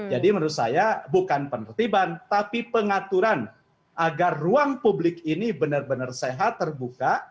jadi menurut saya bukan penertiban tapi pengaturan agar ruang publik ini benar benar sehat terbuka